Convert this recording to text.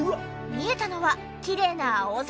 見えたのはきれいな青空。